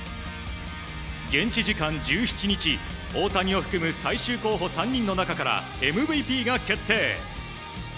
現地時間１７日、大谷を含む最終候補３人の中からＭＶＰが決定。